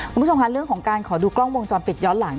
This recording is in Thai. คุณผู้ชมค่ะเรื่องของการขอดูกล้องวงจรปิดย้อนหลัง